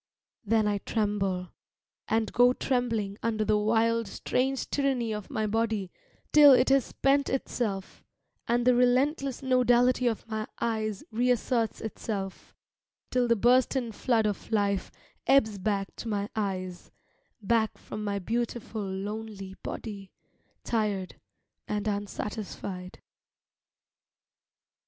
Then I tremble, and go trembling Under the wild, strange tyranny of my body, Till it has spent itself, And the relentless nodality of my eyes reasserts itself, Till the bursten flood of life ebbs back to my eyes, Back from my beautiful, lonely body Tired and unsatisfied.